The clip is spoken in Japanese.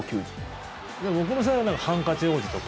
いや、僕の世代はハンカチ王子とか。